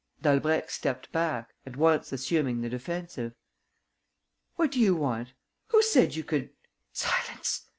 Dalbrèque stepped back, at once assuming the defensive: "What do you want? Who said you could...." "Silence!"